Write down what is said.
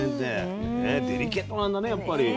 デリケートなんだねやっぱり。